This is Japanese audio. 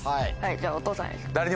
じゃお父さん。